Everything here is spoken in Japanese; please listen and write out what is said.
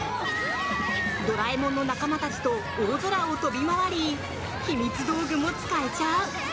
「ドラえもん」の仲間たちと大空を飛び回りひみつ道具も使えちゃう！